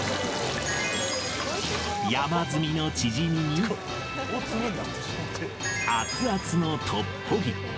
山積みのチヂミに、熱々のトッポギ。